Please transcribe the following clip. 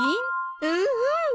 うんうん！